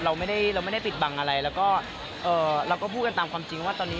เราไม่ได้ปิดบังอะไรแล้วก็พูดกันตามความจริงว่าตอนนี้